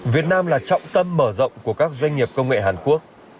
việt nam là trọng tâm mở rộng của các doanh nghiệp công nghệ hàn quốc